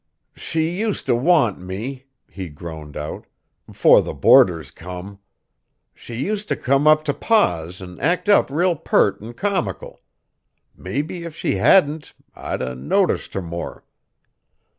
"She use' t' want me," he groaned out, "'fore the boarders come! She use' t' come up t' Pa's an' act up real pert an' comical; maybe if she hadn't, I'd 'a' noticed her more!